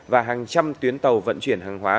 và hàng trăm tuyến tàu vận chuyển hàng hóa